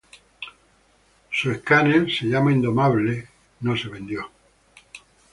Su escáner, llamado "Indomable", no se vendió.